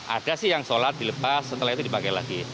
ada sih yang sholat dilepas setelah itu dipakai lagi